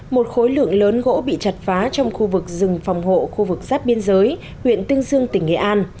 một khối lượng lớn gỗ bị chặt phá trong khu vực rừng phòng hộ khu vực giáp biên giới huyện tương dương tỉnh nghệ an